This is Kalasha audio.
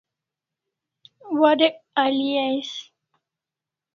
Warek al'i ais